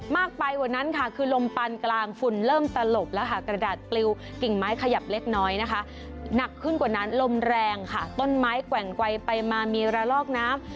มากไปกว่านั้นค่ะคือลมปานกลางฝุ่นเริ่มตลบแล้วค่ะกระดาษปลิวกิ่งไม้ขยับเล็กน้อยนะคะหนักขึ้นกว่านั้นลมแรงค่ะต้นไม้แกว่งไวไปมามีระลอกน้ำ